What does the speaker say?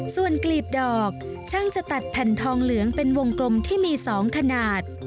ส่วนกลีบดอกช่างจะตัดแผ่นทองเหลืองเป็นวงกลมที่มี๒ขนาด